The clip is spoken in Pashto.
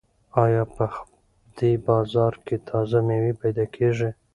ایا په دې بازار کې تازه مېوې پیدا کیږي؟